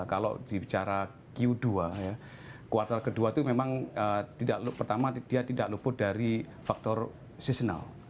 kalau dibicara q dua ya kuartal kedua itu memang pertama dia tidak luput dari faktor seasonal